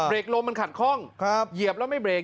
เบิ้ลมันขัดข้องเฮียบแล้วไม่เบลง